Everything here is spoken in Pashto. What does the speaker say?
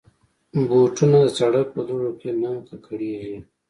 بوټونه د سړک په دوړو کې نه ککړېږي.